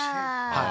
はい